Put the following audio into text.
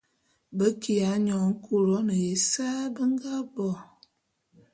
Be kiya nyône Couronne ya ésae be nga bo.